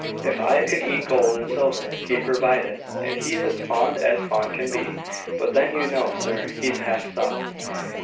If I could eat gold and silver, he'd provide it; and he's as fond as fond can be. But then you know, sir, he's half soft."